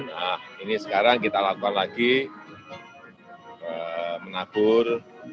nah ini sekarang kita lakukan lagi menabur